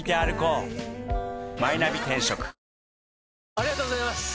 ありがとうございます！